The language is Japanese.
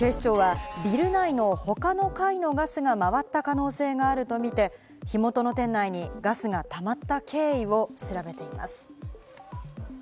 警視庁は、ビル内の他の階のガスが回った可能性があると見て、火元の店内にガスがたまった経緯を調べています。